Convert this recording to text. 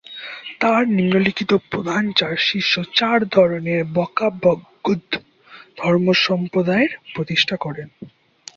তার নিম্নলিখিত প্রধান চার শিষ্য চার ধরনের ব্কা'-ব্র্গ্যুদ ধর্মসম্প্রদায়ের প্রতিষ্ঠা করেন।